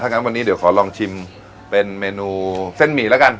งั้นวันนี้เดี๋ยวขอลองชิมเป็นเมนูเส้นหมี่แล้วกัน